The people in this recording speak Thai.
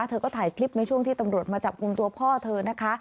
เธอก็ถ่ายคลิปในช่วงที่ตำรวจมาจับกลุ่มตัวพ่อเธอนะคะ